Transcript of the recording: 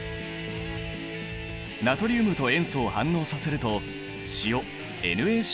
ナトリウムと塩素を反応させると塩ＮａＣｌができるんだ。